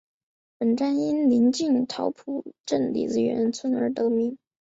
本站因临近桃浦镇李子园村而得名。